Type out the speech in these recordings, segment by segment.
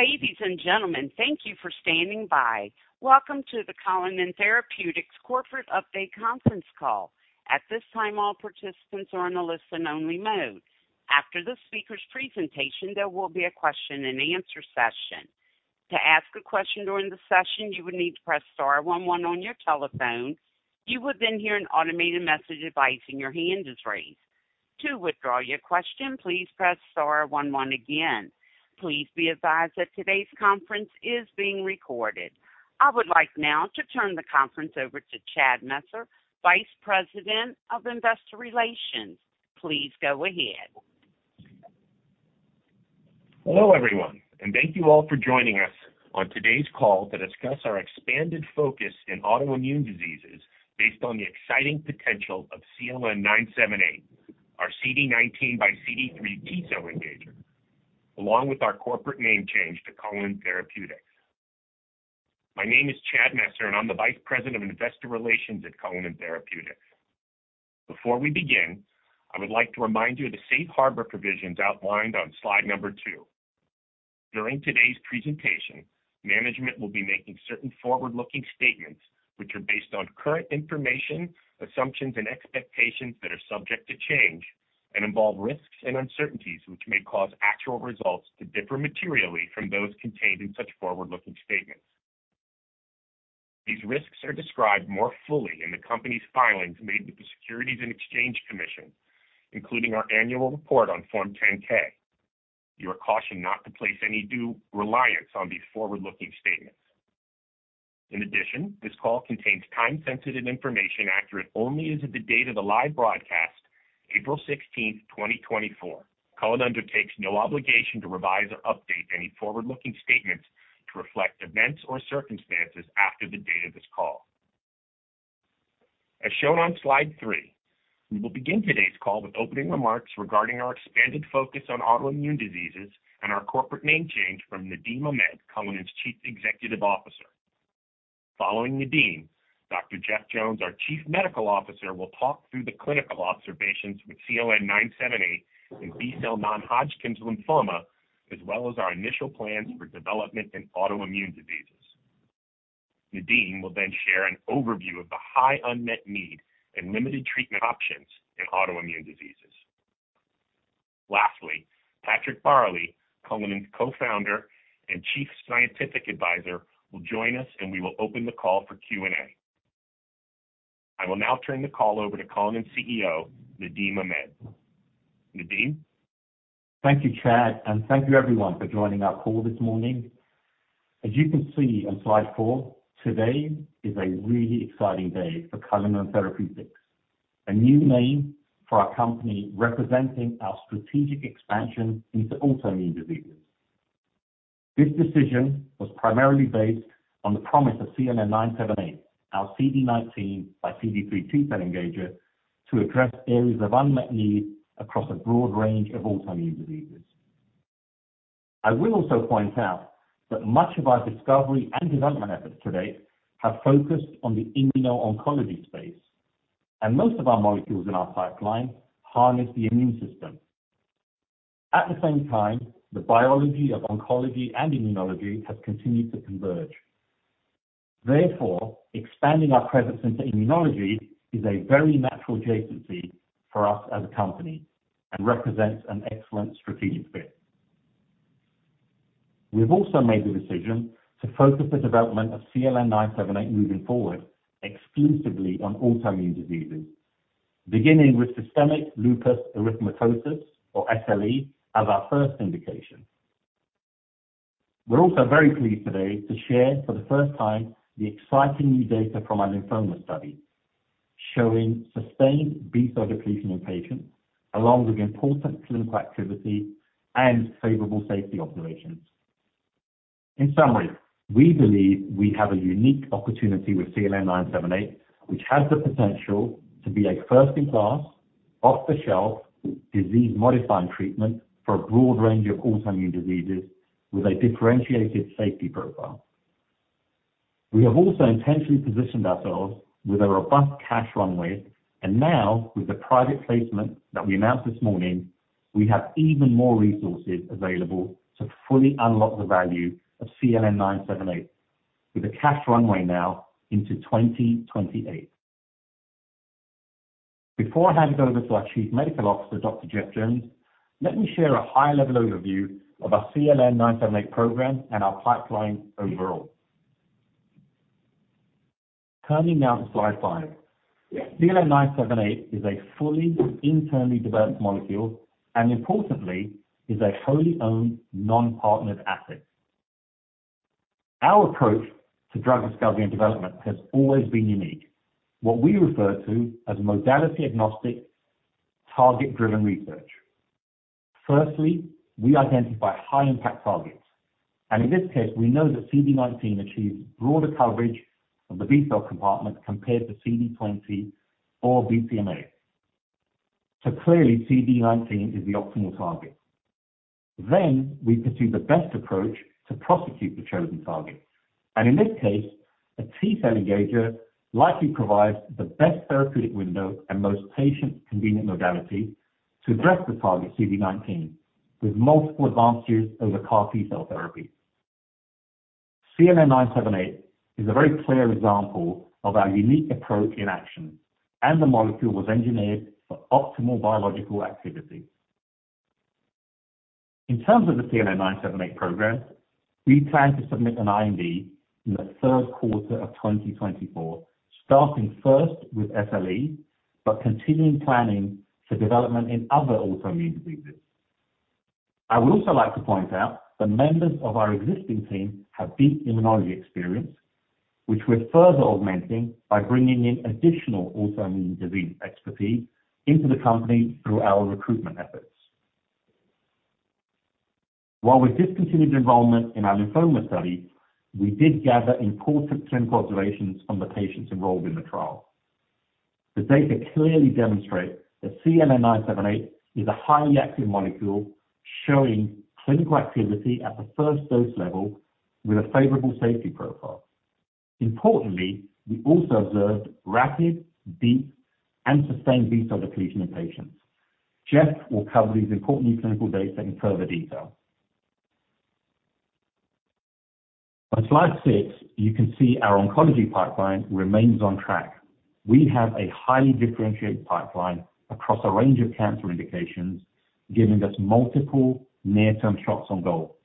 Ladies and gentlemen, thank you for standing by. Welcome to the Cullinan Therapeutics Corporate Update Conference Call. At this time, all participants are in a listen-only mode. After the speaker's presentation, there will be a question-and-answer session. To ask a question during the session, you would need to press star one one on your telephone. You would then hear an automated message advising your hand is raised. To withdraw your question, please press star one one again. Please be advised that today's conference is being recorded. I would like now to turn the conference over to Chad Messer, Vice President of Investor Relations. Please go ahead. Hello everyone, and thank you all for joining us on today's call to discuss our expanded focus in autoimmune diseases based on the exciting potential of CLN978, our CD19 by CD3 T-cell engager, along with our corporate name change to Cullinan Therapeutics. My name is Chad Messer, and I'm the Vice President of Investor Relations at Cullinan Therapeutics. Before we begin, I would like to remind you of the safe harbor provisions outlined on slide number two. During today's presentation, management will be making certain forward-looking statements which are based on current information, assumptions, and expectations that are subject to change and involve risks and uncertainties which may cause actual results to differ materially from those contained in such forward-looking statements. These risks are described more fully in the company's filings made with the Securities and Exchange Commission, including our annual report on Form 10-K. You are cautioned not to place any undue reliance on these forward-looking statements. In addition, this call contains time-sensitive information accurate only as of the date of the live broadcast, April 16th, 2024. Cullinan undertakes no obligation to revise or update any forward-looking statements to reflect events or circumstances after the date of this call. As shown on slide three, we will begin today's call with opening remarks regarding our expanded focus on autoimmune diseases and our corporate name change from Nadim Ahmed, Cullinan's Chief Executive Officer. Following Nadim, Dr. Jeff Jones, our Chief Medical Officer, will talk through the clinical observations with CLN978 in B-cell Non-Hodgkin's Lymphoma, as well as our initial plans for development in autoimmune diseases. Nadim will then share an overview of the high unmet need and limited treatment options in autoimmune diseases. Lastly, Patrick Baeuerle, Cullinan's co-founder and Chief Scientific Advisor, will join us, and we will open the call for Q&A. I will now turn the call over to Cullinan CEO Nadim Ahmed. Nadim? Thank you, Chad, and thank you everyone for joining our call this morning. As you can see on slide four, today is a really exciting day for Cullinan Therapeutics, a new name for our company representing our strategic expansion into autoimmune diseases. This decision was primarily based on the promise of CLN978, our CD19 by CD3 T-cell engager, to address areas of unmet need across a broad range of autoimmune diseases. I will also point out that much of our discovery and development efforts to date have focused on the immuno-oncology space, and most of our molecules in our pipeline harness the immune system. At the same time, the biology of oncology and immunology has continued to converge. Therefore, expanding our presence into immunology is a very natural adjacency for us as a company and represents an excellent strategic fit. We've also made the decision to focus the development of CLN978 moving forward exclusively on autoimmune diseases, beginning with systemic lupus erythematosus, or SLE, as our first indication. We're also very pleased today to share, for the first time, the exciting new data from our lymphoma study, showing sustained B-cell depletion in patients, along with important clinical activity and favorable safety observations. In summary, we believe we have a unique opportunity with CLN978, which has the potential to be a first-in-class, off-the-shelf, disease-modifying treatment for a broad range of autoimmune diseases with a differentiated safety profile. We have also intentionally positioned ourselves with a robust cash runway, and now, with the private placement that we announced this morning, we have even more resources available to fully unlock the value of CLN978 with a cash runway now into 2028. Before I hand it over to our Chief Medical Officer, Dr. Jeff Jones, let me share a high-level overview of our CLN978 program and our pipeline overall. Turning now to slide five. CLN978 is a fully internally developed molecule and, importantly, is a wholly owned, non-partnered asset. Our approach to drug discovery and development has always been unique, what we refer to as modality-agnostic, target-driven research. Firstly, we identify high-impact targets, and in this case, we know that CD19 achieves broader coverage of the B-cell compartment compared to CD20 or BCMA. So clearly, CD19 is the optimal target. Then we pursue the best approach to prosecute the chosen target, and in this case, a T-cell engager likely provides the best therapeutic window and most patient-convenient modality to address the target CD19, with multiple advantages over CAR T-cell therapy. CLN978 is a very clear example of our unique approach in action, and the molecule was engineered for optimal biological activity. In terms of the CLN978 program, we plan to submit an IND in the third quarter of 2024, starting first with SLE but continuing planning for development in other autoimmune diseases. I would also like to point out that members of our existing team have deep immunology experience, which we're further augmenting by bringing in additional autoimmune disease expertise into the company through our recruitment efforts. While we've discontinued enrollment in our lymphoma study, we did gather important clinical observations from the patients enrolled in the trial. The data clearly demonstrate that CLN978 is a highly active molecule showing clinical activity at the first dose level with a favorable safety profile. Importantly, we also observed rapid, deep, and sustained B-cell depletion in patients. Jeff will cover these important new clinical data in further detail. On slide six, you can see our oncology pipeline remains on track. We have a highly differentiated pipeline across a range of cancer indications, giving us multiple near-term shots on goal.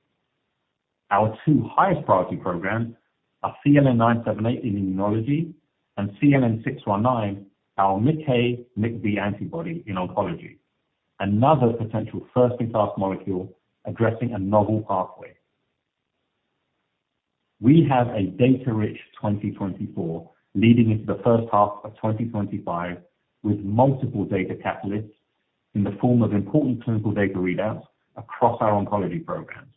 Our two highest-priority programs are CLN978 in immunology and CLN619, our MICA/MICB antibody in oncology, another potential first-in-class molecule addressing a novel pathway. We have a data-rich 2024 leading into the first half of 2025 with multiple data catalysts in the form of important clinical data readouts across our oncology programs.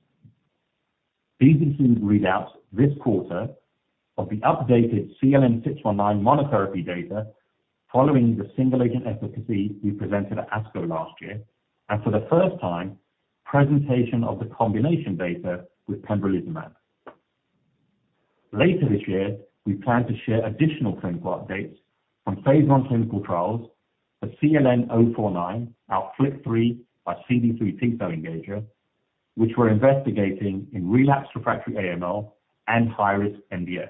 These include readouts this quarter of the updated CLN619 monotherapy data following the single-agent efficacy we presented at ASCO last year and, for the first time, presentation of the combination data with pembrolizumab. Later this year, we plan to share additional clinical updates from phase I clinical trials, the CLN049, our FLT3 x CD3 T-cell engager, which we're investigating in relapsed refractory AML and high-risk MDS,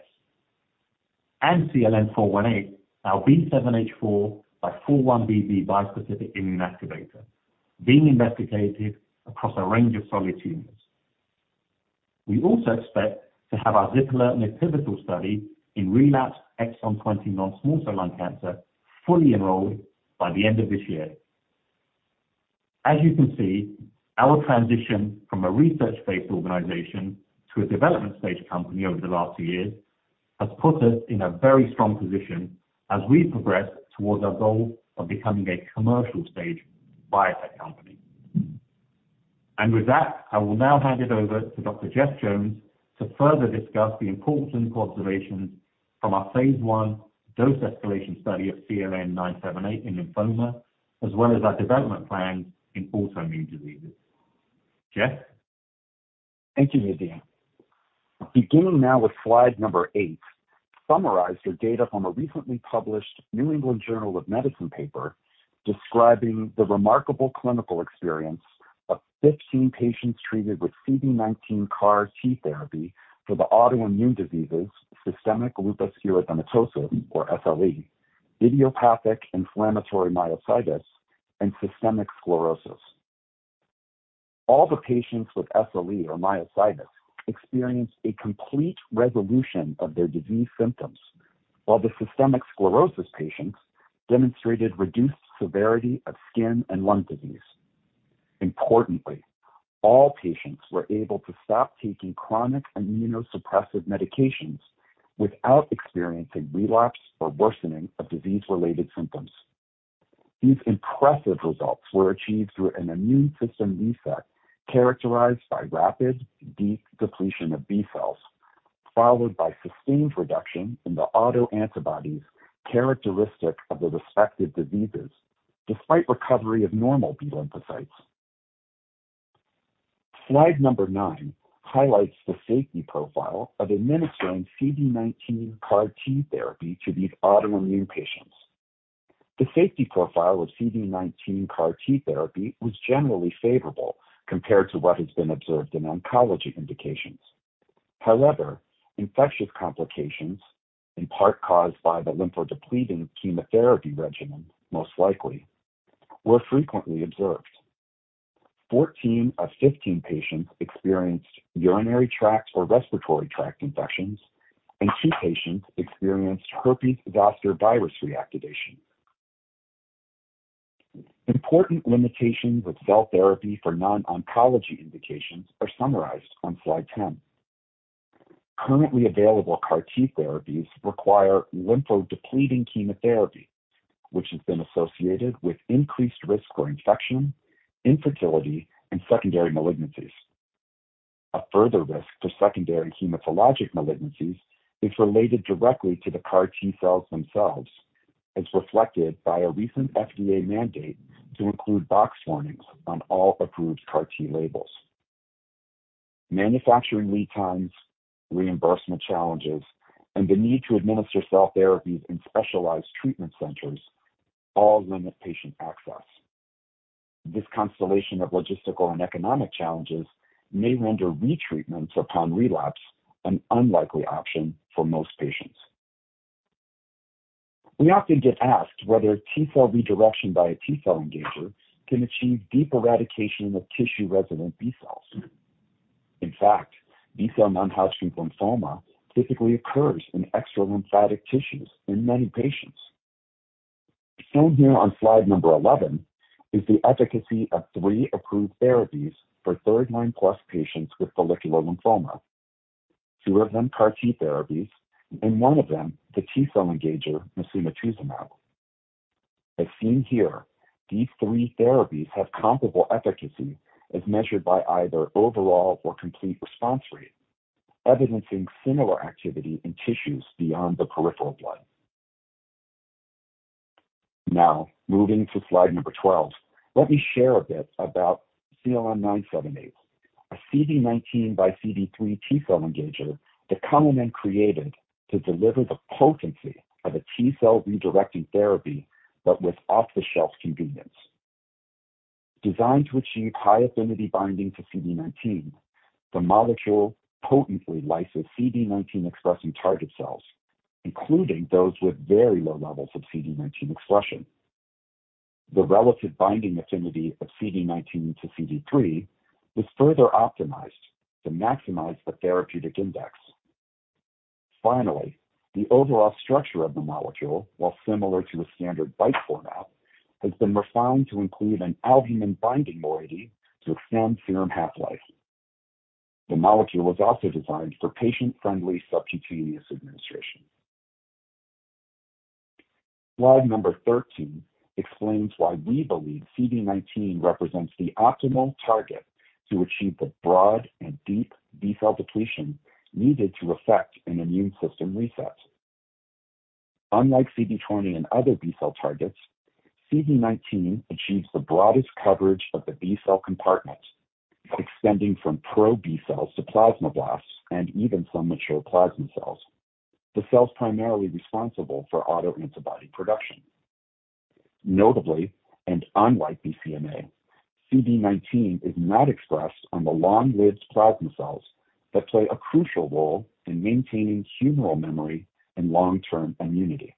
and CLN418, our B7-H4 x 4-1BB bispecific immune activator, being investigated across a range of solid tumors. We also expect to have our zipalertinib pivotal study in relapsed exon 20 non-small cell lung cancer fully enrolled by the end of this year. As you can see, our transition from a research-based organization to a development-stage company over the last two years has put us in a very strong position as we progress towards our goal of becoming a commercial-stage biotech company. And with that, I will now hand it over to Dr. Jeff Jones to further discuss the important observations from our phase I dose escalation study of CLN978 in lymphoma, as well as our development plans in autoimmune diseases. Jeff? Thank you, Nadim. Beginning now with slide eight, summarize your data from a recently published New England Journal of Medicine paper describing the remarkable clinical experience of 15 patients treated with CD19 CAR T therapy for the autoimmune diseases systemic lupus erythematosus, or SLE, idiopathic inflammatory myositis, and systemic sclerosis. All the patients with SLE or myositis experienced a complete resolution of their disease symptoms, while the systemic sclerosis patients demonstrated reduced severity of skin and lung disease. Importantly, all patients were able to stop taking chronic immunosuppressive medications without experiencing relapse or worsening of disease-related symptoms. These impressive results were achieved through an immune system reset characterized by rapid, deep depletion of B-cells, followed by sustained reduction in the autoantibodies characteristic of the respective diseases, despite recovery of normal B lymphocytes. Slide 9 highlights the safety profile of administering CD19 CAR T therapy to these autoimmune patients. The safety profile of CD19 CAR T therapy was generally favorable compared to what has been observed in oncology indications. However, infectious complications, in part caused by the lymphodepleting chemotherapy regimen, most likely, were frequently observed. 14 of 15 patients experienced urinary tract or respiratory tract infections, and two patients experienced herpes zoster virus reactivation. Important limitations of cell therapy for non-oncology indications are summarized on slide 10. Currently available CAR T therapies require lymphodepleting chemotherapy, which has been associated with increased risk for infection, infertility, and secondary malignancies. A further risk for secondary hematologic malignancies is related directly to the CAR T cells themselves, as reflected by a recent FDA mandate to include box warnings on all approved CAR T labels. Manufacturing lead times, reimbursement challenges, and the need to administer cell therapies in specialized treatment centers all limit patient access. This constellation of logistical and economic challenges may render retreatments upon relapse an unlikely option for most patients. We often get asked whether T-cell redirection by a T-cell engager can achieve deep eradication of tissue-resident B cells. In fact, B-cell non-Hodgkin's lymphoma typically occurs in extralymphatic tissues in many patients. Shown here on slide number 11 is the efficacy of three approved therapies for third-line-plus patients with follicular lymphoma, two of them CAR T therapies, and one of them the T-cell engager, Mosunetuzumab. As seen here, these three therapies have comparable efficacy as measured by either overall or complete response rate, evidencing similar activity in tissues beyond the peripheral blood. Now, moving to slide number 12, let me share a bit about CLN978, a CD19 by CD3 T-cell engager that Cullinan created to deliver the potency of a T-cell redirecting therapy but with off-the-shelf convenience. Designed to achieve high affinity binding to CD19, the molecule potently lyses CD19-expressing target cells, including those with very low levels of CD19 expression. The relative binding affinity of CD19 to CD3 was further optimized to maximize the therapeutic index. Finally, the overall structure of the molecule, while similar to a standard BiTE format, has been refined to include an albumin-binding moiety to extend serum half-life. The molecule was also designed for patient-friendly subcutaneous administration. Slide number 13 explains why we believe CD19 represents the optimal target to achieve the broad and deep B-cell depletion needed to affect an immune system reset. Unlike CD20 and other B-cell targets, CD19 achieves the broadest coverage of the B-cell compartment, extending from pro-B cells to plasmablasts and even some mature plasma cells, the cells primarily responsible for autoantibody production. Notably, and unlike BCMA, CD19 is not expressed on the long-lived plasma cells that play a crucial role in maintaining humoral memory and long-term immunity.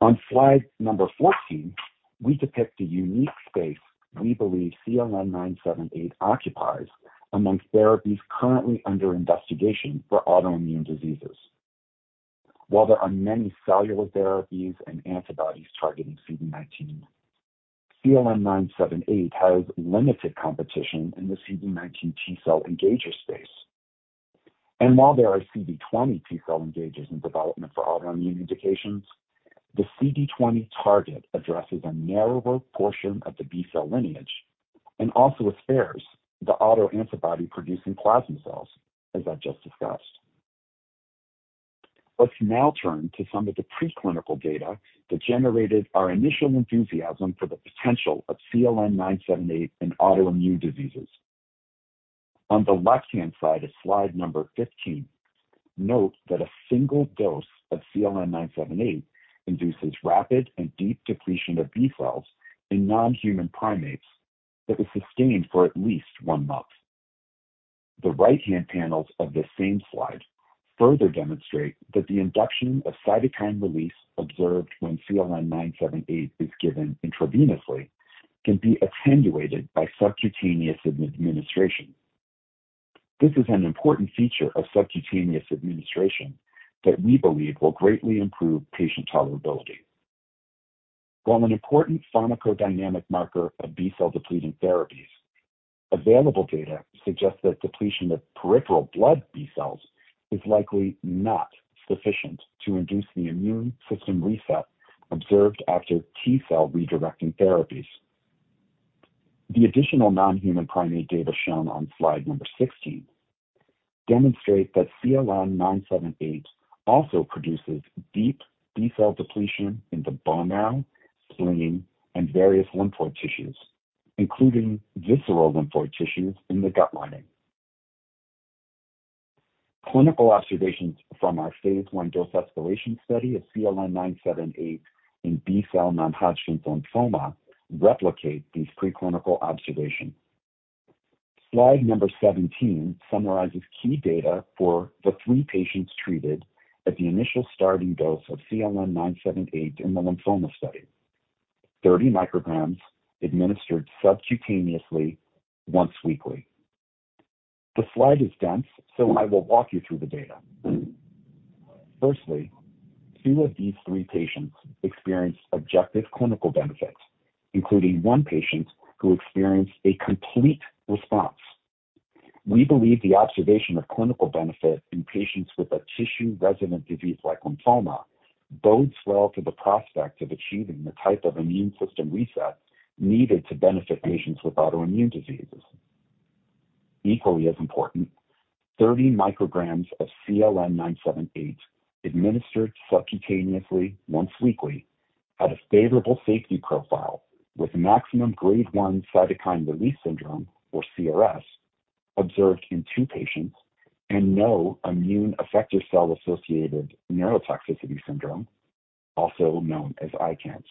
On slide number 14, we depict a unique space we believe CLN978 occupies among therapies currently under investigation for autoimmune diseases. While there are many cellular therapies and antibodies targeting CD19, CLN978 has limited competition in the CD19 T-cell engager space. And while there are CD20 T-cell engagers in development for autoimmune indications, the CD20 target addresses a narrower portion of the B-cell lineage and also spares the autoantibody-producing plasma cells, as I just discussed. Let's now turn to some of the preclinical data that generated our initial enthusiasm for the potential of CLN978 in autoimmune diseases. On the left-hand side of slide number 15, note that a single dose of CLN978 induces rapid and deep depletion of B cells in non-human primates that was sustained for at least one month. The right-hand panels of this same slide further demonstrate that the induction of cytokine release observed when CLN978 is given intravenously can be attenuated by subcutaneous administration. This is an important feature of subcutaneous administration that we believe will greatly improve patient tolerability. While an important pharmacodynamic marker of B-cell depleting therapies, available data suggests that depletion of peripheral blood B cells is likely not sufficient to induce the immune system reset observed after T-cell redirecting therapies. The additional non-human primate data shown on slide number 16 demonstrate that CLN978 also produces deep B-cell depletion in the bone marrow, spleen, and various lymphoid tissues, including visceral lymphoid tissues in the gut lining. Clinical observations from our phase I dose escalation study of CLN978 in B-cell non-Hodgkin's lymphoma replicate these preclinical observations. Slide number 17 summarizes key data for the three patients treated at the initial starting dose of CLN978 in the lymphoma study, 30 micrograms administered subcutaneously once weekly. The slide is dense, so I will walk you through the data. Firstly, two of these three patients experienced objective clinical benefit, including one patient who experienced a complete response. We believe the observation of clinical benefit in patients with a tissue-resident disease like lymphoma bodes well for the prospect of achieving the type of immune system reset needed to benefit patients with autoimmune diseases. Equally as important, 30 micrograms of CLN978 administered subcutaneously once weekly had a favorable safety profile with maximum grade one cytokine release syndrome, or CRS, observed in two patients and no immune effector cell-associated neurotoxicity syndrome, also known as ICANS.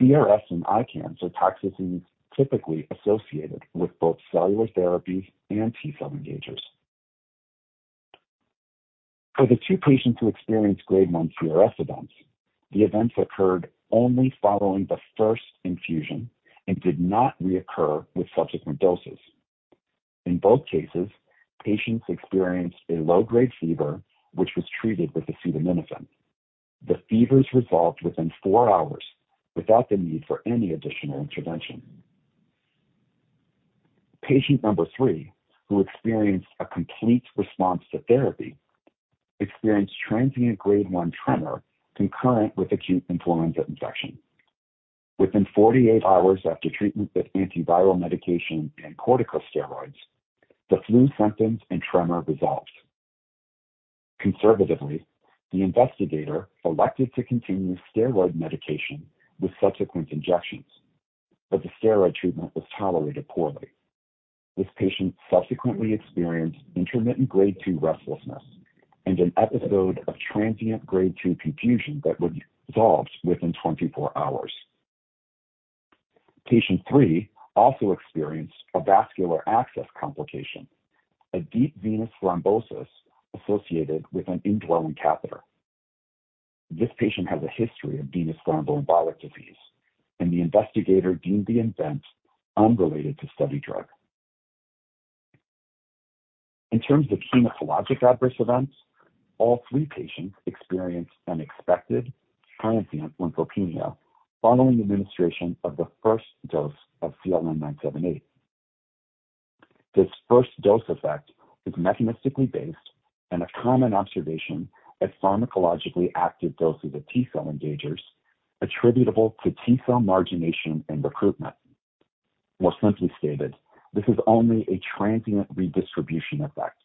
CRS and ICANS are toxicities typically associated with both cellular therapies and T-cell engagers. For the two patients who experienced grade one CRS events, the events occurred only following the first infusion and did not reoccur with subsequent doses. In both cases, patients experienced a low-grade fever, which was treated with acetaminophen. The fevers resolved within four hours without the need for any additional intervention. Patient number three, who experienced a complete response to therapy, experienced transient grade one tremor concurrent with acute influenza infection. Within 48 hours after treatment with antiviral medication and corticosteroids, the flu symptoms and tremor resolved. Conservatively, the investigator elected to continue steroid medication with subsequent injections, but the steroid treatment was tolerated poorly. This patient subsequently experienced intermittent grade two restlessness and an episode of transient grade two confusion that resolved within 24 hours. Patient three also experienced a vascular access complication, a deep venous thrombosis associated with an indwelling catheter. This patient has a history of venous thromboembolic disease, and the investigator deemed the event unrelated to study drug. In terms of hematologic adverse events, all three patients experienced an expected transient lymphopenia following administration of the first dose of CLN978. This first dose effect is mechanistically based and a common observation at pharmacologically active doses of T-cell engagers attributable to T-cell margination and recruitment. More simply stated, this is only a transient redistribution effect.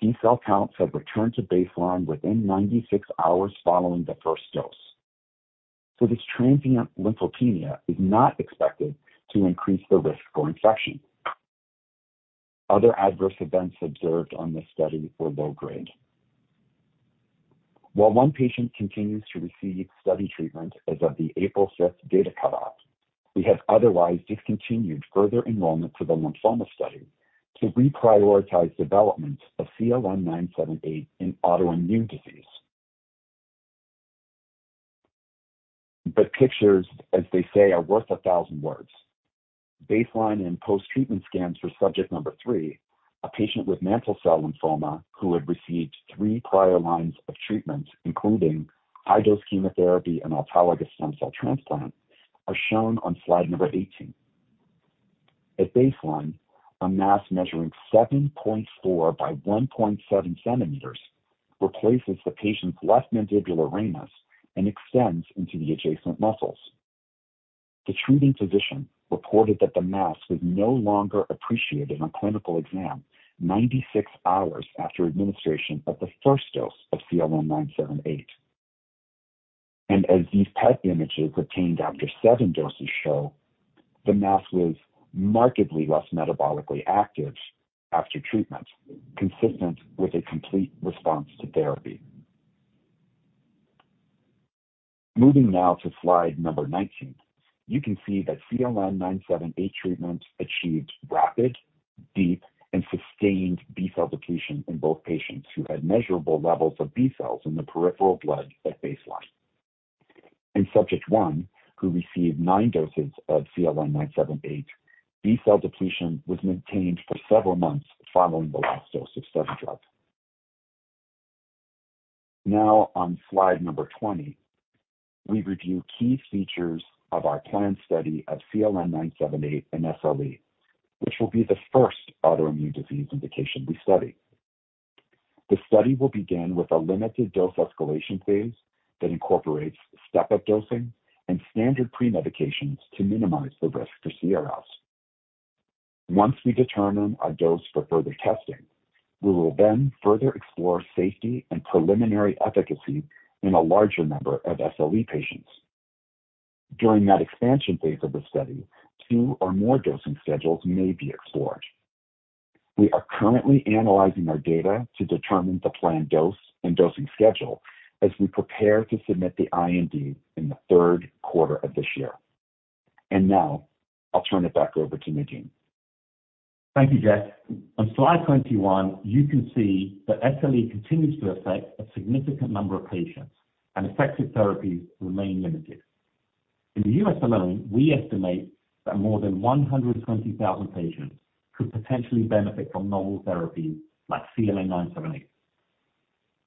T-cell counts have returned to baseline within 96 hours following the first dose. So this transient lymphopenia is not expected to increase the risk for infection. Other adverse events observed on this study were low-grade. While one patient continues to receive study treatment as of the April 5th data cutoff, we have otherwise discontinued further enrollment to the lymphoma study to reprioritize development of CLN978 in autoimmune disease. But pictures, as they say, are worth 1,000 words. Baseline and post-treatment scans for subject number three, a patient with mantle cell lymphoma who had received three prior lines of treatment, including high-dose chemotherapy and autologous stem cell transplant, are shown on slide number 18. At baseline, a mass measuring 7.4 by 1.7 centimeters replaces the patient's left mandibular ramus and extends into the adjacent muscles. The treating physician reported that the mass was no longer appreciated on clinical exam 96 hours after administration of the first dose of CLN978. As these PET images obtained after seven doses show, the mass was markedly less metabolically active after treatment, consistent with a complete response to therapy. Moving now to slide number 19, you can see that CLN978 treatment achieved rapid, deep, and sustained B-cell depletion in both patients who had measurable levels of B cells in the peripheral blood at baseline. In subject one, who received nine doses of CLN978, B-cell depletion was maintained for several months following the last dose of study drug. Now, on slide number 20, we review key features of our planned study of CLN978 and SLE, which will be the first autoimmune disease indication we study. The study will begin with a limited dose escalation phase that incorporates step-up dosing and standard premedications to minimize the risk for CRS. Once we determine a dose for further testing, we will then further explore safety and preliminary efficacy in a larger number of SLE patients. During that expansion phase of the study, two or more dosing schedules may be explored. We are currently analyzing our data to determine the planned dose and dosing schedule as we prepare to submit the IND in the third quarter of this year. Now, I'll turn it back over to Nadim. Thank you, Jeff. On slide 21, you can see that SLE continues to affect a significant number of patients, and effective therapies remain limited. In the U.S. alone, we estimate that more than 120,000 patients could potentially benefit from novel therapies like CLN978.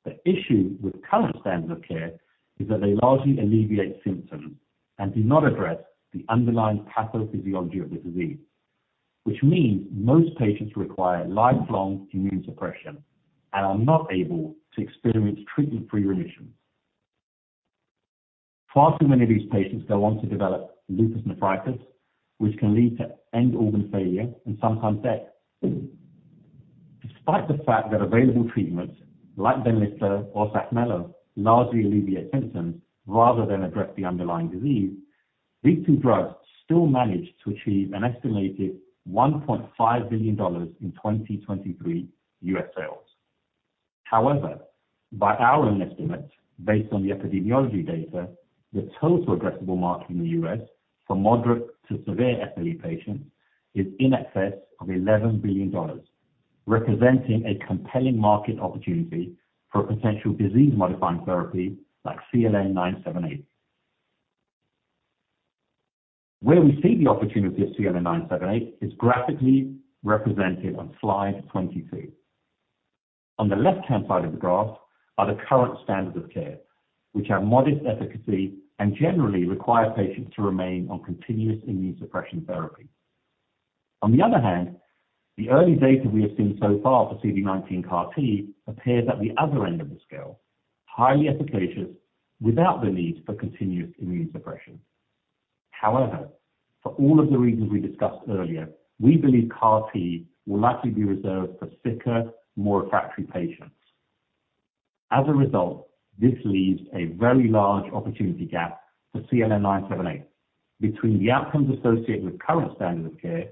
The issue with current standards of care is that they largely alleviate symptoms and do not address the underlying pathophysiology of the disease, which means most patients require lifelong immune suppression and are not able to experience treatment-free remissions. Far too many of these patients go on to develop lupus nephritis, which can lead to end-organ failure and sometimes death. Despite the fact that available treatments like Benlysta or Saphnelo largely alleviate symptoms rather than address the underlying disease, these two drugs still managed to achieve an estimated $1.5 billion in 2023 U.S. sales. However, by our own estimates based on the epidemiology data, the total addressable market in the U.S. for moderate to severe SLE patients is in excess of $11 billion, representing a compelling market opportunity for a potential disease-modifying therapy like CLN978. Where we see the opportunity of CLN978 is graphically represented on slide 22. On the left-hand side of the graph are the current standards of care, which have modest efficacy and generally require patients to remain on continuous immune suppression therapy. On the other hand, the early data we have seen so far for CD19-CAR-T appears at the other end of the scale, highly efficacious without the need for continuous immune suppression. However, for all of the reasons we discussed earlier, we believe CAR-T will likely be reserved for sicker, more refractory patients. As a result, this leaves a very large opportunity gap for CLN978 between the outcomes associated with current standards of care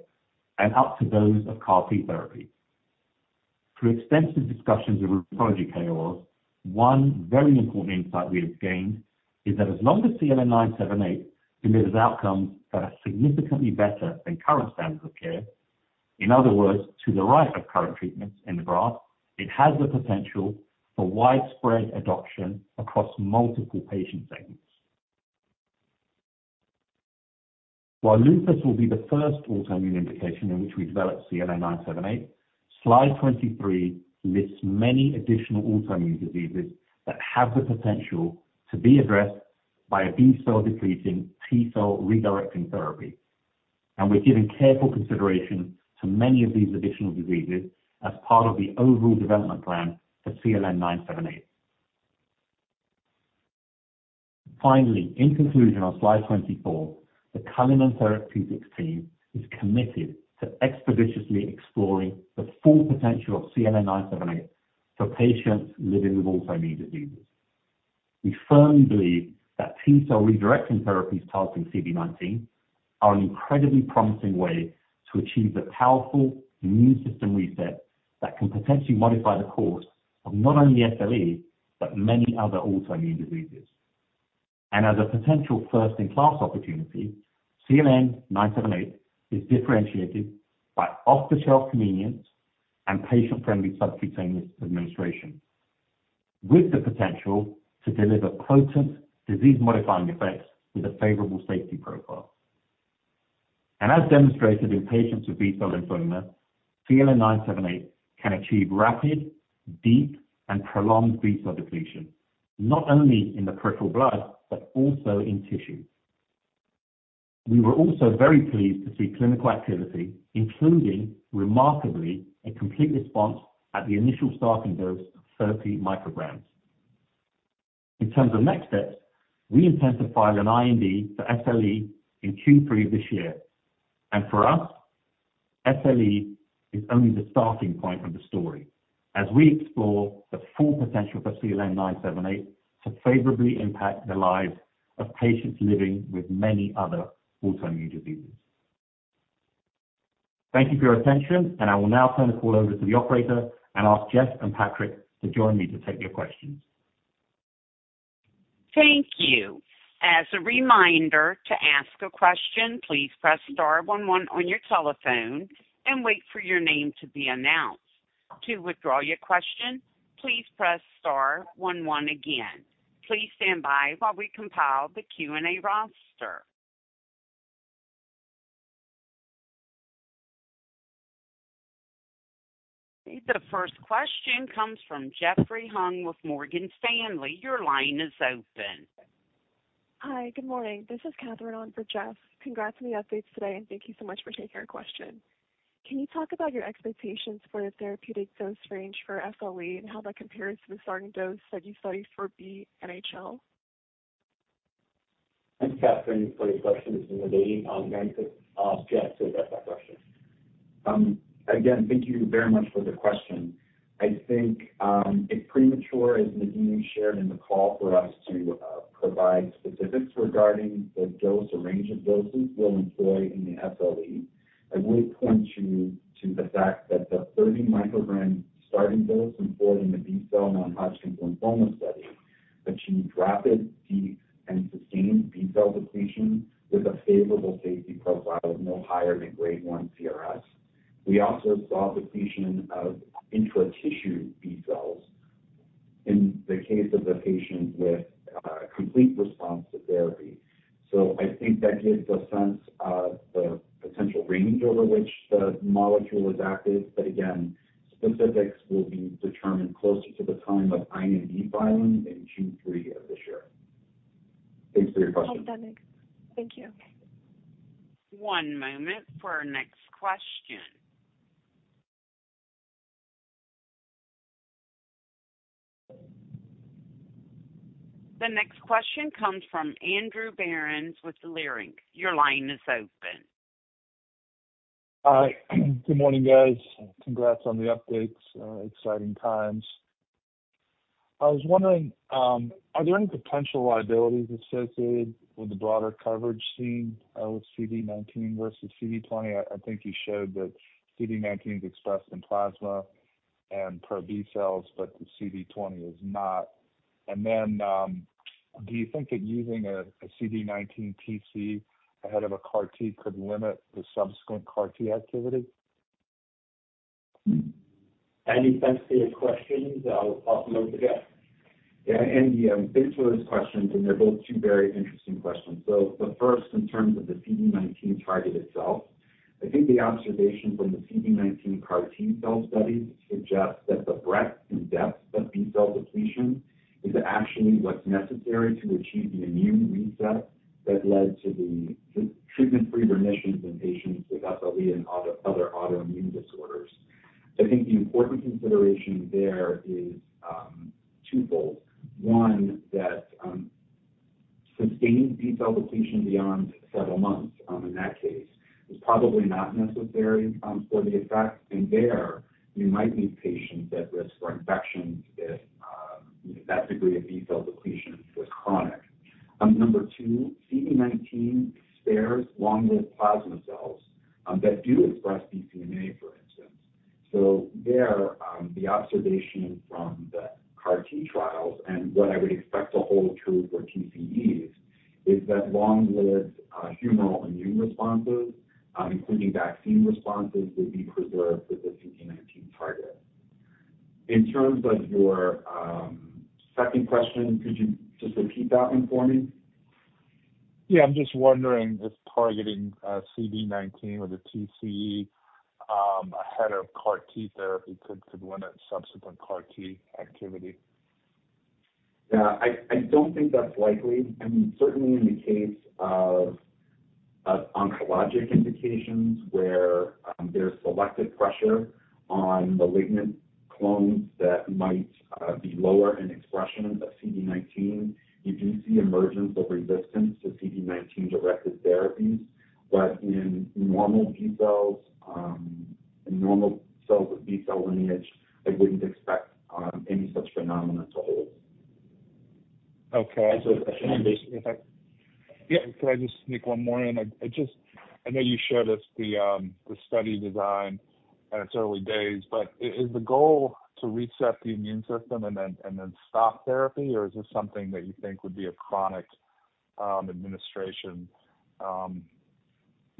and up to those of CAR-T therapy. Through extensive discussions of rheumatology KOLs, one very important insight we have gained is that as long as CLN978 delivers outcomes that are significantly better than current standards of care in other words, to the right of current treatments in the graph, it has the potential for widespread adoption across multiple patient segments. While lupus will be the first autoimmune indication in which we develop CLN978, slide 23 lists many additional autoimmune diseases that have the potential to be addressed by a B-cell depleting T-cell redirecting therapy. We're giving careful consideration to many of these additional diseases as part of the overall development plan for CLN978. Finally, in conclusion on slide 24, the Cullinan Therapeutics team is committed to expeditiously exploring the full potential of CLN978 for patients living with autoimmune diseases. We firmly believe that T-cell redirecting therapies targeting CD19 are an incredibly promising way to achieve the powerful immune system reset that can potentially modify the course of not only SLE but many other autoimmune diseases. As a potential first-in-class opportunity, CLN978 is differentiated by off-the-shelf convenience and patient-friendly subcutaneous administration with the potential to deliver potent disease-modifying effects with a favorable safety profile. As demonstrated in patients with B-cell lymphoma, CLN978 can achieve rapid, deep, and prolonged B-cell depletion not only in the peripheral blood but also in tissue. We were also very pleased to see clinical activity, including remarkably a complete response at the initial starting dose of 30 micrograms. In terms of next steps, we intend to file an IND for SLE in Q3 of this year. For us, SLE is only the starting point of the story as we explore the full potential for CLN978 to favorably impact the lives of patients living with many other autoimmune diseases. Thank you for your attention. I will now turn the call over to the operator and ask Jeff and Patrick to join me to take your questions. Thank you. As a reminder to ask a question, please press star one one on your telephone and wait for your name to be announced. To withdraw your question, please press star one one again. Please stand by while we compile the Q&A roster. The first question comes from Jeffrey Hung with Morgan Stanley. Your line is open. Hi. Good morning. This is Catherine on for Jeff. Congrats on the updates today, and thank you so much for taking our question. Can you talk about your expectations for the therapeutic dose range for SLE and how that compares to the starting dose that you studied for BNHL? Thanks, Catherine. For your question, this is Nadim. I'm going to object to that question. Again, thank you very much for the question. I think it's premature, as Nadim shared in the call, for us to provide specifics regarding the dose or range of doses we'll employ in the SLE. I would point to the fact that the 30 microgram starting dose employed in the B-cell non-Hodgkin's lymphoma study achieved rapid, deep, and sustained B-cell depletion with a favorable safety profile of no higher than grade one CRS. We also saw depletion of intra-tissue B cells in the case of the patient with complete response to therapy. So I think that gives a sense of the potential range over which the molecule is active. But again, specifics will be determined closer to the time of IND filing in Q3 of this year. Thanks for your question. Oh, that makes. Thank you. One moment for our next question. The next question comes from Andrew Berens with Leerink Partners. Your line is open. Hi. Good morning, guys. Congrats on the updates. Exciting times. I was wondering, are there any potential liabilities associated with the broader coverage seen with CD19 versus CD20? I think you showed that CD19 is expressed in plasma and pro-B cells, but the CD20 is not. And then do you think that using a CD19 TCE ahead of a CAR-T could limit the subsequent CAR-T activity? Any specific questions? I'll move to Jeff. Yeah. And these were his questions, and they're both two very interesting questions. So the first, in terms of the CD19 target itself, I think the observation from the CD19 CAR-T cell studies suggests that the breadth and depth of B-cell depletion is actually what's necessary to achieve the immune reset that led to the treatment-free remissions in patients with SLE and other autoimmune disorders. I think the important consideration there is twofold. One, that sustained B-cell depletion beyond several months in that case is probably not necessary for the effect. And there, you might leave patients at risk for infections if that degree of B-cell depletion was chronic. Number two, CD19 spares long-lived plasma cells that do express BCMA, for instance. So there, the observation from the CAR-T trials and what I would expect to hold true for TCEs is that long-lived humoral immune responses, including vaccine responses, would be preserved with the CD19 target. In terms of your second question, could you just repeat that one for me? Yeah. I'm just wondering if targeting CD19 with a TCE ahead of CAR-T therapy could limit subsequent CAR-T activity? Yeah. I don't think that's likely. I mean, certainly in the case of oncologic indications where there's selective pressure on malignant clones that might be lower in expression of CD19, you do see emergence of resistance to CD19-directed therapies. But in normal B cells in normal cells of B-cell lineage, I wouldn't expect any such phenomenon to hold. Okay. And so if I can maybe. Yeah. If I can maybe just make one more in. I know you showed us the study design, and it's early days. But is the goal to reset the immune system and then stop therapy, or is this something that you think would be a chronic administration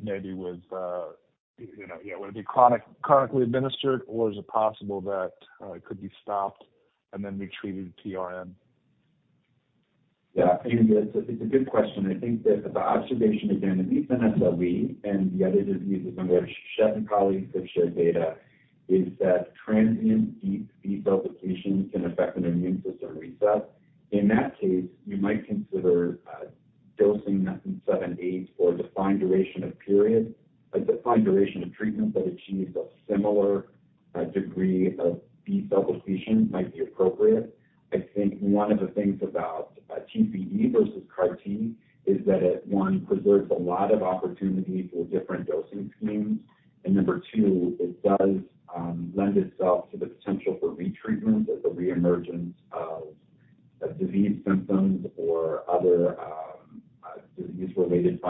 maybe with yeah. Would it be chronically administered, or is it possible that it could be stopped and then retreated to PRN? Yeah. And it's a good question. I think that the observation, again, at least in SLE and the other diseases on which Jeff and colleagues have shared data, is that transient deep B-cell depletion can affect an immune system reset. In that case, you might consider dosing [7/8 or defined duration of period a defined duration of treatment that achieves a similar degree of B-cell depletion might be appropriate. I think one of the things about TCE versus CAR-T is that, one, it preserves a lot of opportunity for different dosing schemes. And number two, it does lend itself to the potential for retreatment at the reemergence of disease symptoms or other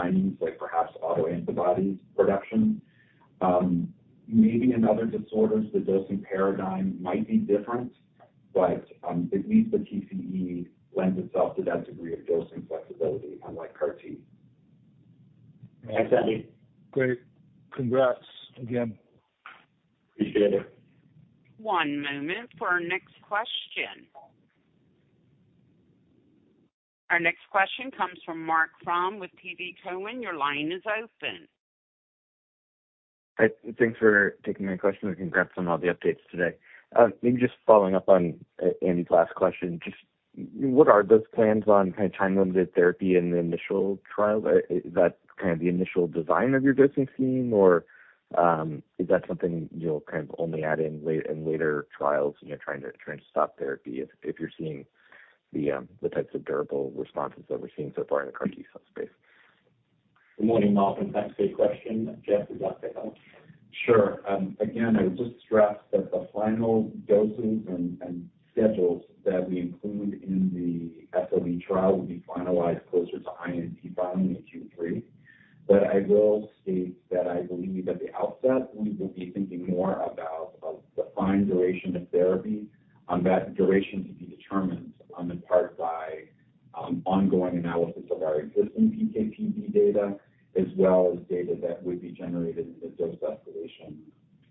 disease-related findings like perhaps autoantibodies production. Maybe in other disorders, the dosing paradigm might be different, but at least the TCE lends itself to that degree of dosing flexibility, unlike CAR-T. Thanks, Andy. Great. Congrats again. Appreciate it. One moment for our next question. Our next question comes from Marc Frahm with TD Cowen. Your line is open. Thanks for taking my question and congrats on all the updates today. Maybe just following up on Andy's last question, just what are those plans on kind of time-limited therapy in the initial trial? Is that kind of the initial design of your dosing scheme, or is that something you'll kind of only add in later trials trying to stop therapy if you're seeing the types of durable responses that we're seeing so far in the CAR-T cell space? Good morning, Mark, and thanks for your question. Jeff, is that okay? Sure. Again, I would just stress that the final doses and schedules that we include in the SLE trial will be finalized closer to IND filing in Q3. But I will state that I believe at the outset, we will be thinking more about the defined duration of therapy. That duration could be determined in part by ongoing analysis of our existing PKPD data as well as data that would be generated in the dose escalation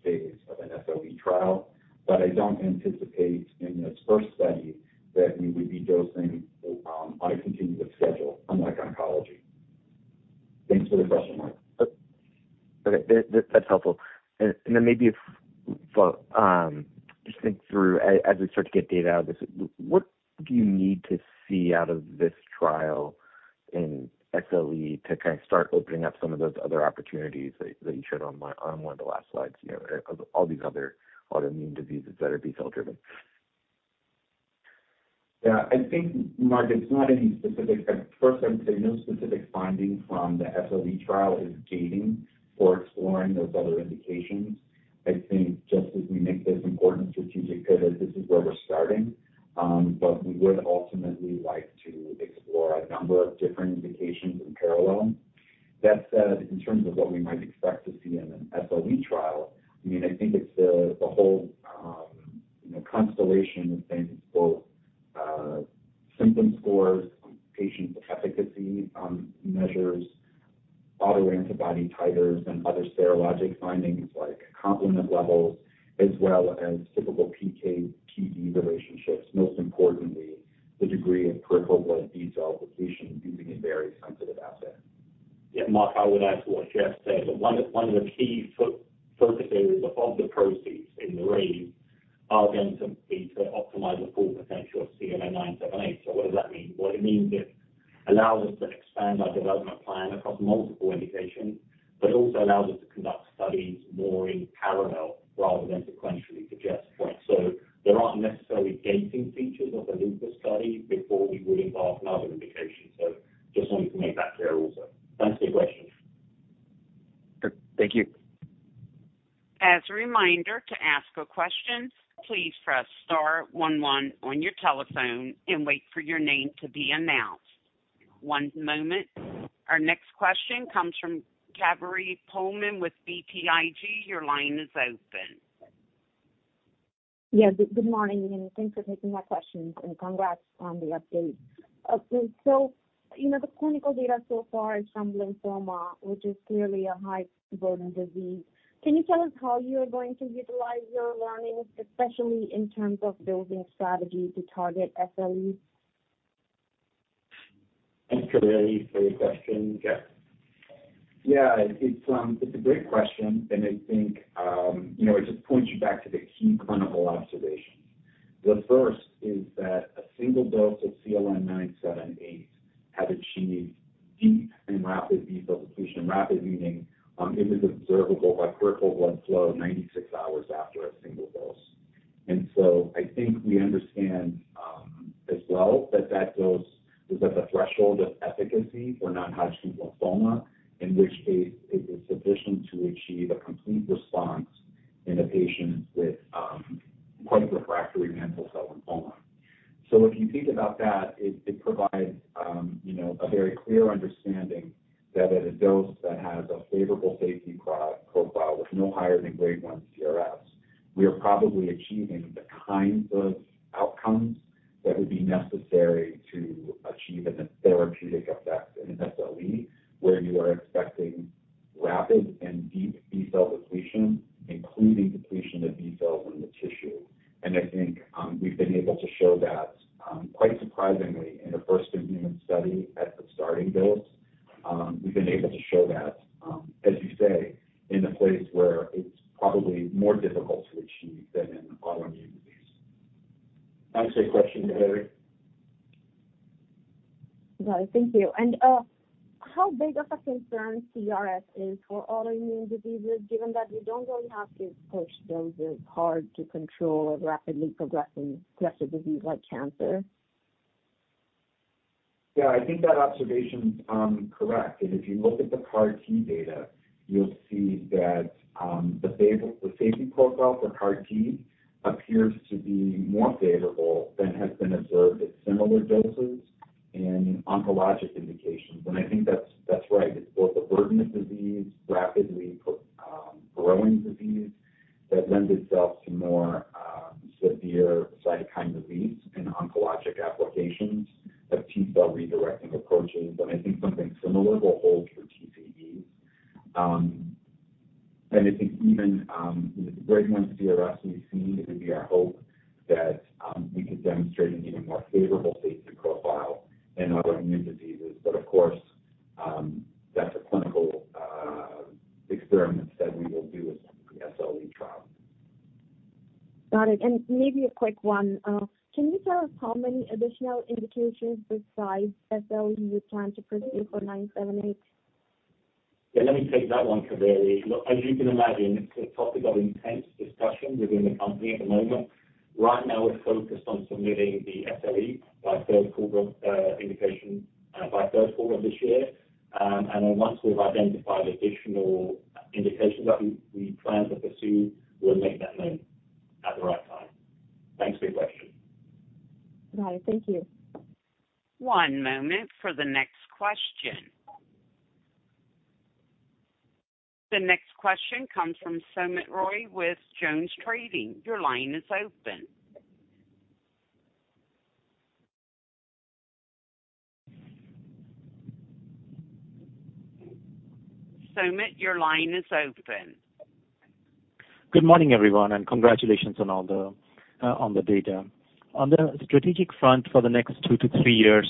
phase of an SLE trial. But I don't anticipate in this first study that we would be dosing on a continuous schedule, unlike oncology. Thanks for the question, Mark. Okay. That's helpful. And then maybe if I just think through as we start to get data out of this, what do you need to see out of this trial in SLE to kind of start opening up some of those other opportunities that you showed on one of the last slides of all these other autoimmune diseases that are B-cell driven? Yeah. I think, Mark, it's not any specific first. I would say no specific finding from the SLE trial is gating for exploring those other indications. I think just as we make this important strategic pivot, this is where we're starting. But we would ultimately like to explore a number of different indications in parallel. That said, in terms of what we might expect to see in an SLE trial, I mean, I think it's the whole constellation of things, both symptom scores, patient's efficacy measures, autoantibody titers, and other serologic findings like complement levels as well as typical PKPD relationships, most importantly, the degree of peripheral blood B-cell depletion using a very sensitive asset. Yeah. Mark, I would add to what Jeff said. One of the key focus areas of the proceeds in the raise are going to be to optimize the full potential of CLN978. So what does that mean? Well, it allows us to expand our development plan across multiple indications, but it also allows us to conduct studies more in parallel rather than sequentially, to Jeff's point. So there aren't necessarily gating features of the lupus study before we would embark on other indications. So just wanted to make that clear also. Thanks for your question. Thank you. As a reminder to ask a question, please press star 11 on your telephone and wait for your name to be announced. One moment. Our next question comes from Kaveri Pohlman with BTIG. Your line is open. Yeah. Good morning, and thanks for taking my questions, and congrats on the update. The clinical data so far is from lymphoma, which is clearly a high-burden disease. Can you tell us how you are going to utilize your learnings, especially in terms of building strategy to target SLE? Thanks for the question, Jeff. Yeah. It's a great question, and I think it just points you back to the key clinical observations. The first is that a single dose of CLN978 had achieved deep and rapid B-cell depletion, rapid meaning it was observable by peripheral blood flow 96 hours after a single dose. And so I think we understand as well that that dose was at the threshold of efficacy for non-Hodgkin's lymphoma, in which case it was sufficient to achieve a complete response in a patient with quite refractory mantle cell lymphoma. So if you think about that, it provides a very clear understanding that at a dose that has a favorable safety profile with no higher than grade 1 CRS, we are probably achieving the kinds of outcomes that would be necessary to achieve a therapeutic effect in an SLE where you are expecting rapid and deep B-cell depletion, including depletion of B cells in the tissue. And I think we've been able to show that quite surprisingly in a first-in-human study at the starting dose. We've been able to show that, as you say, in a place where it's probably more difficult to achieve than in autoimmune disease. Thanks for your question, Kaveri. Got it. Thank you. How big of a concern CRS is for autoimmune diseases, given that we don't really have to push doses hard to control a rapidly progressive disease like cancer? Yeah. I think that observation's correct. And if you look at the CAR-T data, you'll see that the safety profile for CAR-T appears to be more favorable than has been observed at similar doses in oncologic indications. And I think that's right. It's both a burden of disease, rapidly growing disease that lends itself to more severe cytokine release in oncologic applications of T-cell redirecting approaches. And I think something similar will hold for TCEs. And I think even with the grade one CRS we've seen, it would be our hope that we could demonstrate an even more favorable safety profile in autoimmune diseases. But of course, that's a clinical experiment that we will do as part of the SLE trial. Got it. And maybe a quick one. Can you tell us how many additional indications besides SLE you would plan to pursue for 978? Yeah. Let me take that one, Kaveri. Look, as you can imagine, it's a topic of intense discussion within the company at the moment. Right now, we're focused on submitting the SLE by third quarter indication by third quarter of this year. Then once we've identified additional indications that we plan to pursue, we'll make that known at the right time. Thanks for your question. Got it. Thank you. One moment for the next question. The next question comes from Soumit Roy with JonesTrading. Your line is open. Soumit, your line is open. Good morning, everyone, and congratulations on all the data. On the strategic front for the next two-three years,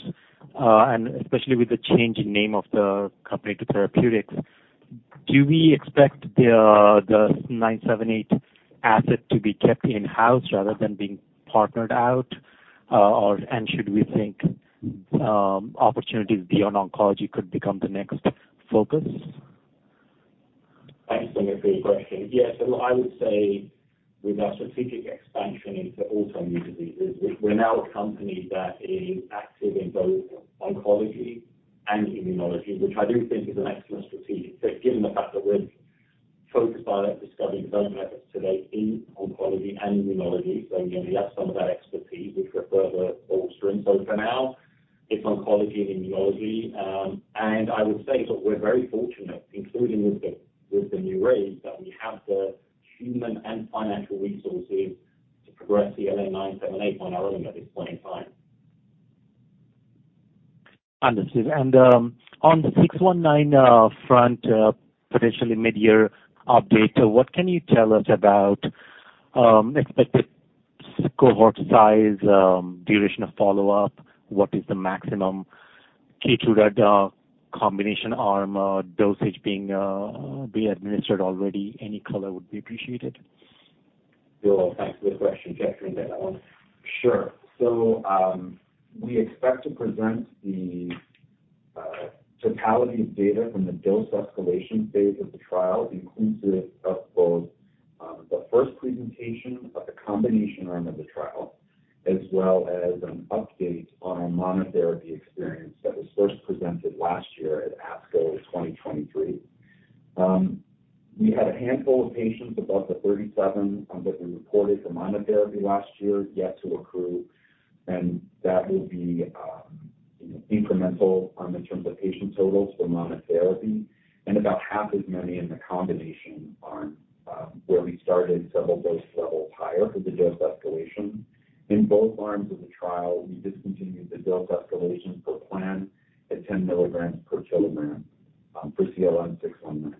and especially with the change in name of the company to Therapeutics, do we expect the 978 asset to be kept in-house rather than being partnered out? And should we think opportunities beyond oncology could become the next focus? Thanks, Soumit, for your question. Yes. I would say with our strategic expansion into autoimmune diseases, we're now a company that is active in both oncology and immunology, which I do think is an excellent strategic fit given the fact that we're focused on discovery and development efforts today in oncology and immunology. We have some of that expertise, which we're further bolstering. For now, it's oncology and immunology. I would say that we're very fortunate, including with the new raise, that we have the human and financial resources to progress CLN978 on our own at this point in time. Understood. On the 619 front, potentially mid-year update, what can you tell us about expected cohort size, duration of follow-up? What is the maximum Keytruda combination arm dosage being administered already? Any color would be appreciated. Sure. Thanks for the question, Jeff, to repeat that one. Sure. So we expect to present the totality of data from the dose escalation phase of the trial, including both the first presentation of the combination arm of the trial as well as an update on our monotherapy experience that was first presented last year at ASCO 2023. We had a handful of patients above the 37 that we reported for monotherapy last year yet to accrue. That will be incremental in terms of patient totals for monotherapy and about half as many in the combination arm where we started several dose levels higher for the dose escalation. In both arms of the trial, we discontinued the dose escalation per plan at 10 milligrams per kilogram for CLN619.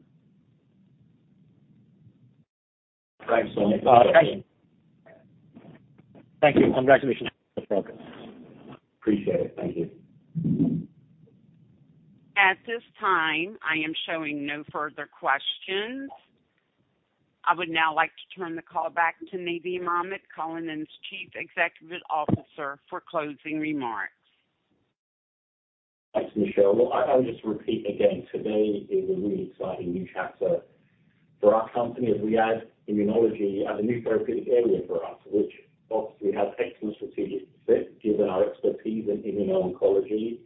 Thanks, Somit. Thank you. Thank you. Congratulations. You're welcome. Appreciate it. Thank you. At this time, I am showing no further questions. I would now like to turn the call back to Nadim Ahmed, Cullinan's Chief Executive Officer, for closing remarks. Thanks, Michelle. Well, I'll just repeat again. Today is a really exciting new chapter for our company as we add immunology as a new therapeutic area for us, which obviously has excellent strategic fit given our expertise in immuno-oncology.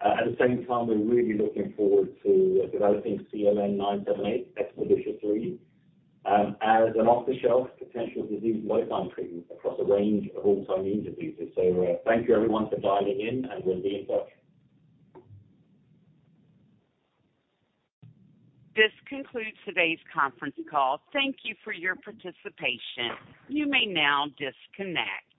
At the same time, we're really looking forward to developing CLN978, expeditiously, as an off-the-shelf potential disease modifying treatment across a range of autoimmune diseases. So thank you, everyone, for dialing in, and we'll be in touch. This concludes today's conference call. Thank you for your participation. You may now disconnect.